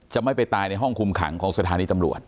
ไม่ไปตายในห้องคุมขังของสถานีตำรวจ